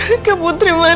ini anaknya putri man